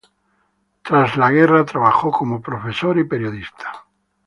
Tras la guerra trabajó como profesor y periodista.